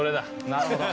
なるほど。